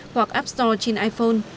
hoặc app store trên iphone